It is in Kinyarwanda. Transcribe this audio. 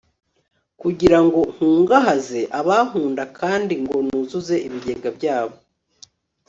kugira ngo nkungahaze abankunda kandi ngo nuzuze ibigega byabo